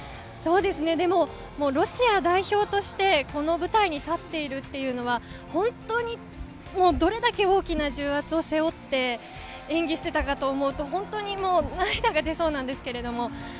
でもロシア代表としてこの舞台に立っているというのは、本当にどれだけ大きな重圧を背負って演技していたかと思うと本当に涙が出そうです。